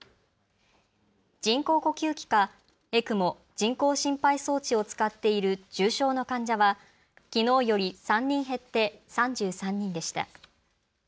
人工呼吸器かＥＣＭＯ・人工心肺装置を使っている重症の患者はきのうより３人減って３３人でした。